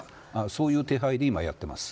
そういう手配で今やっています。